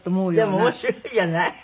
でも面白いじゃない。